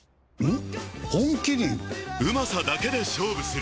ん？